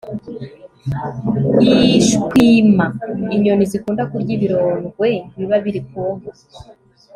ishwima inyoni zikunda kurya ibirondwe biba biri ku nka